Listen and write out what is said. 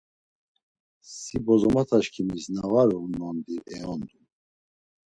Si bozomotaşǩimis na var u nondi eondum.